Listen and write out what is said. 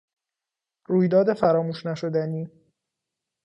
رویداد فراموش نشدنی